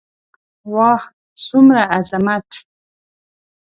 واه څومره عظمت.